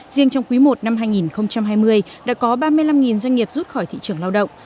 riêng trong quý i năm hai nghìn hai mươi đã có ba mươi năm doanh nghiệp rút khỏi thị trường lao động